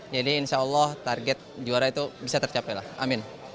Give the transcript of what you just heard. jadi insya allah target juara itu bisa tercapai lah amin